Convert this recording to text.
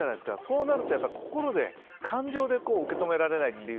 そうすると心で、感情で受け止めれないという。